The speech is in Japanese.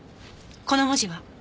この文字は？